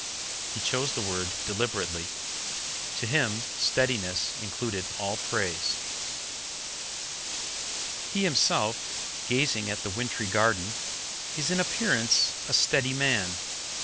He chose the word deliberately. To him steadiness included all praise. He himself, gazing at the wintry garden, is in appearance a steady man.